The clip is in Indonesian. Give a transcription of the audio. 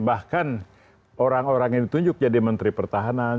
bahkan orang orang yang ditunjuk jadi menteri pertahanan